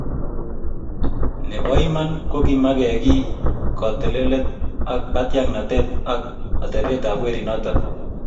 Nebo iman kokimakekiy, kotelelot ak katiaknatet ak atebetab werinoto